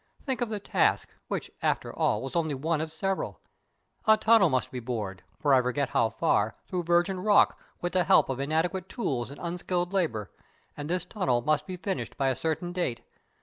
Think of the task, which, after all, was only one of several. A tunnel must be bored, for I forget how far, through virgin rock, with the help of inadequate tools and unskilled labour, and this tunnel must be finished by a certain date.